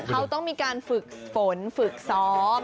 เขาต้องมีการฝึกฝนฝึกซ้อม